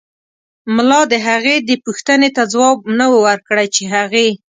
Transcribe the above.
مالا دهغې دپو ښتنې ته ځواب نه و ورکړی چې هغې